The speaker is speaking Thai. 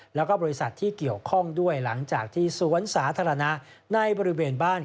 แล้วก็บริษัทที่เกี่ยวข้องด้วยหลังจากที่สวนสาธารณะในบริเวณบ้าน